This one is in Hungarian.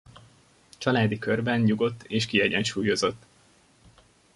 Családi körben nyugodt és kiegyensúlyozott.